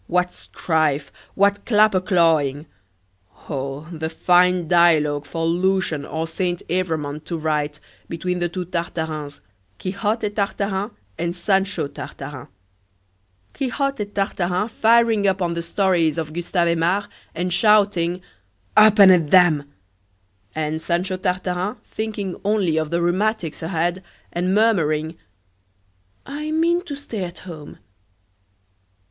what strife! what clapper clawing! Oh, the fine dialogue for Lucian or Saint Evremond to write, between the two Tartarins Quixote Tartarin and Sancho Tartarin! Quixote Tartarin firing up on the stories of Gustave Aimard, and shouting: "Up and at 'em!" and Sancho Tartarin thinking only of the rheumatics ahead, and murmuring: "I mean to stay at home."